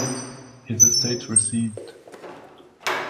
His estates were seized.